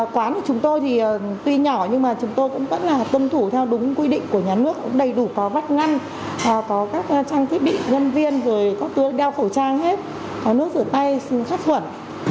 quán của chúng tôi thì tuy nhỏ nhưng mà chúng tôi cũng vẫn là tân thủ theo đúng quy định của nhà nước đầy đủ có vắt ngăn có các trang thiết bị nhân viên rồi có tướng đeo khẩu trang hết có nước rửa tay xin khắc thuẩn